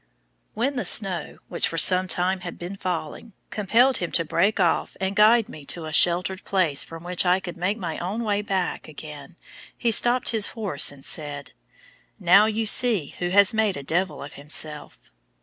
When the snow, which for some time had been falling, compelled him to break off and guide me to a sheltered place from which I could make my own way back again, he stopped his horse and said, "Now you see a man who has made a devil of himself!